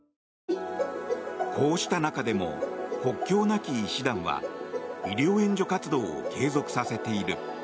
こうした中でも国境なき医師団は医療援助活動を継続させている。